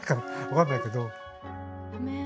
分かんないけど。